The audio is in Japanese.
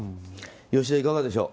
吉田、いかがでしょう？